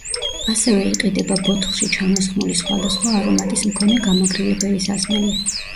ასევე იყიდება ბოთლში ჩამოსხმული სხვადასხვა არომატის მქონე გამაგრილებელი სასმელი.